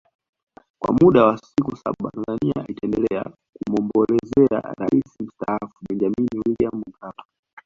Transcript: Kwa muda wa siku saba Tanzania itaendelea kumwombolezea Rais Mstaafu Benjamin William Mkapa